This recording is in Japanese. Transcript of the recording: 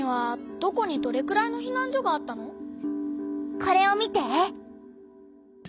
これを見て！